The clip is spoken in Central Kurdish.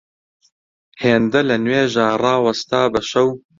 هێندە لە نوێژا ڕاوەستا بە شەو